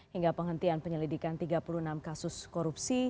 hingga penghentian penyelidikan tiga puluh enam kasus korupsi